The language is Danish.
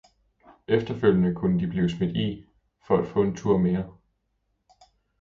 efterfølgende kunne de blive smidt i, for at få en tur mere